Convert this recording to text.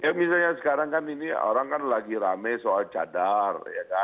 ya misalnya sekarang kan ini orang kan lagi rame soal cadar